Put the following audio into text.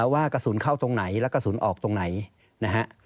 ว่ากระสุนเข้าตรงไหนและกระสุนออกตรงไหนนะฮะ